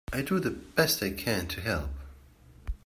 I do the best I can to help.